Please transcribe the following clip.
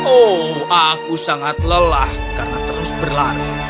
oh aku sangat lelah karena terus berlari